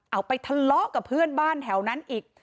เอาไปทะเลาะกับเพื่อนบ้านแถวนั้นอีก